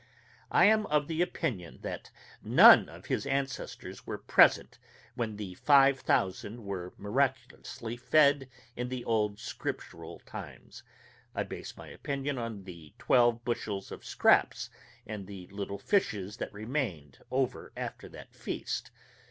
I am of the opinion that none of his ancestors were present when the five thousand were miraculously fed in the old Scriptural times. I base my opinion on the twelve bushels of scraps and the little fishes that remained over after that feast.